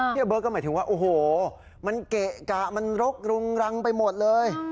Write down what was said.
เบิร์ตก็หมายถึงว่าโอ้โหมันเกะกะมันรกรุงรังไปหมดเลย